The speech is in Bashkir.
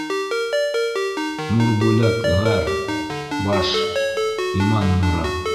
Нурбүләк ғәр., баш. — иман нуры;